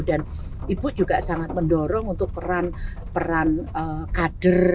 dan ibu juga sangat mendorong untuk peran peran kader